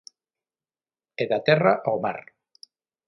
E da terra ao mar.